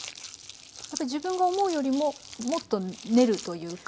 やっぱり自分が思うよりももっと練るというか。